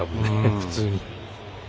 普通に。